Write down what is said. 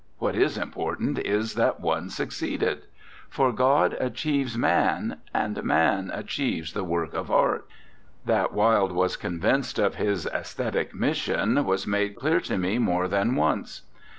What is important is that one succeeded! For God achieves man, and man achieves the work of art." That Wilde was convinced of his aesthetic mission was made clear to me more than once.